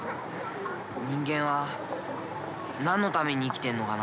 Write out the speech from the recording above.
人間は何のために生きてんのかな。